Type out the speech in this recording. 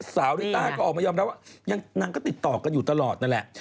ริต้าก็ออกมายอมรับว่านางก็ติดต่อกันอยู่ตลอดนั่นแหละ